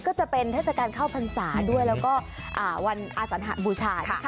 ก็จะเป็นเทศกาลเข้าพรรสาหารด้วยแล้วก็อ่านวันอสนทะบุชาล